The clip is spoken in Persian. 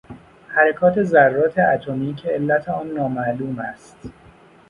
حرکات ذرات اتمی که علت آن نامعلوم است